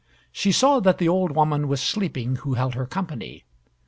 She saw that the old woman was sleeping who held her company.